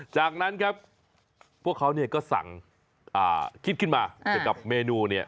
จากนั้นครับพวกเขาก็สั่งคิดขึ้นมาเกี่ยวกับเมนูเนี่ย